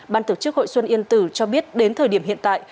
ban tổ chức hội xuân yên tử cho biết đến thời điểm hiện tại